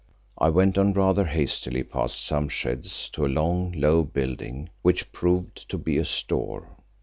I went on rather hastily past some sheds to a long, low building which proved to be a store.